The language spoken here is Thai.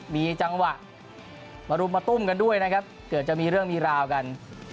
มีจังหวะมารุมมาตุ้มกันด้วยนะครับเกือบจะมีเรื่องมีราวกัน